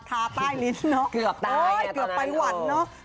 ทาใบลิ้นเนอะเกือบตายเนี่ยตอนนั้น